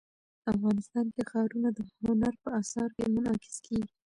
افغانستان کې ښارونه د هنر په اثار کې منعکس کېږي.